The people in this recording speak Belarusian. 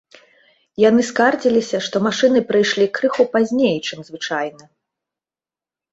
Яны скардзіліся, што машыны прыйшлі крыху пазней, чым звычайна.